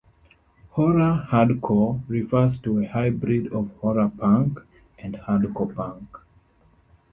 "Horror hardcore", refers to a hybrid of horror punk and hardcore punk.